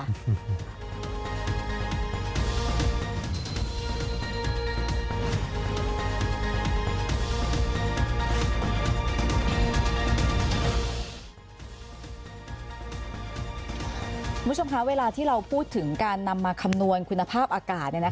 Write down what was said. คุณผู้ชมคะเวลาที่เราพูดถึงการนำมาคำนวณคุณภาพอากาศ